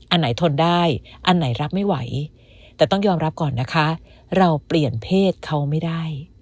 อันไหนทนได้อันไหนรับไม่ไหวแต่ต้องยอมรับก่อนนะคะเราเปลี่ยนเพศเขาไม่ได้